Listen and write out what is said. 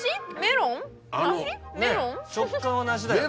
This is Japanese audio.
食感は梨だよね。